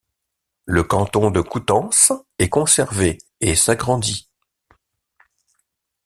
Le canton de Coutances est conservé et s'agrandit.